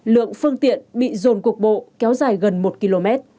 lượng phương tiện bị dồn cuộc bộ kéo dài gần một km